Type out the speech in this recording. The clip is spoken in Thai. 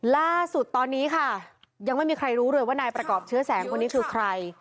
ล่าสุดตอนนี้ค่ะยังไม่มีใครรู้เลยว่านายประกอบเชื้อแสงคนนี้คือใคร